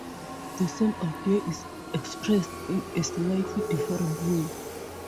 The same idea is expressed in a slightly different way.